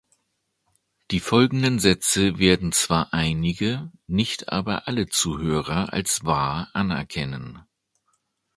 Die folgenden Sätze werden zwar einige, nicht aber alle Zuhörer als wahr anerkennen.